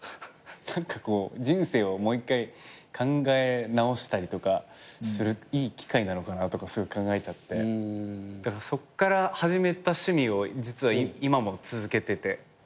何かこう人生をもう一回考え直したりとかするいい機会なのかなとかすごい考えちゃってそこから始めた趣味を実は今も続けてて。